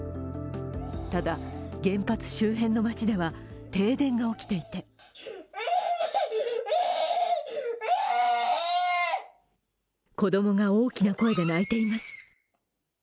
ただ、原発周辺の街では停電が起きていて子供が大きな声で泣いています。